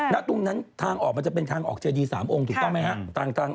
ตรงนั้นทางออกมันจะเป็นทางออกเจดี๓องค์ถูกต้องไหมครับ